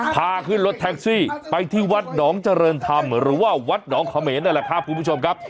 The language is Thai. พาขึ้นรถแท็กซี่ไปที่วัดหนองเจริญธรรมหรือว่าวัดหนองเขมรนั่นแหละครับคุณผู้ชมครับ